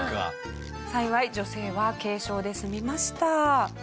幸い女性は軽傷で済みました。